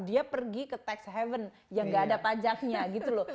dia pergi ke tax haven yang gak ada pajaknya gitu loh